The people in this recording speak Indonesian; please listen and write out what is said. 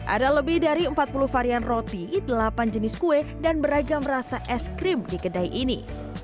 ada lebih dari empat puluh varian roti delapan jenis kue dan beragam rasa es krim di kedai ini